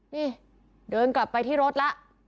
นี่เดินกลับไปที่รถแล้ว